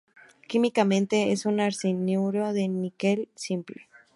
Químicamente es un arseniuro de níquel simple.